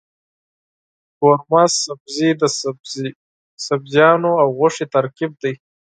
قورمه سبزي د سبزيجاتو او غوښې ترکیب دی.